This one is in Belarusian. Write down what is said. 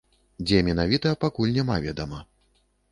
Дзе менавіта, пакуль няма ведама.